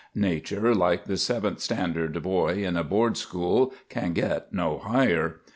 Nature, like the seventh standard boy in a board school, "can get no higher."